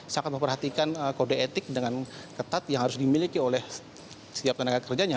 sangat memperhatikan kode etik dengan ketat yang harus dimiliki oleh setiap tenaga kerjanya